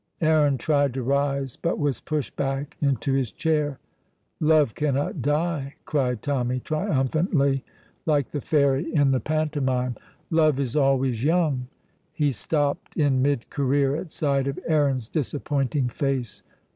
Aaron tried to rise, but was pushed back into his chair. "Love cannot die," cried Tommy, triumphantly, like the fairy in the pantomime; "love is always young " He stopped in mid career at sight of Aaron's disappointing face.